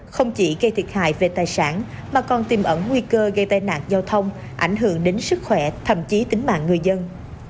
không chỉ gây thiệt hại về tài sản mà còn tìm ẩn nguy cơ gây tai nạn giao thông ảnh hưởng đến sức khỏe thậm chí tính mạng người dân